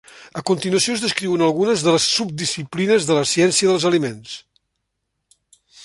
A continuació es descriuen algunes de les subdisciplines de la ciència dels aliments.